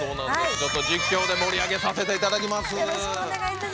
実況で盛り上げさせていただきます。